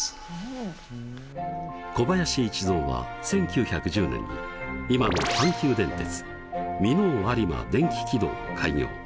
小林一三は１９１０年に今の阪急電鉄箕面有馬電気軌道を開業。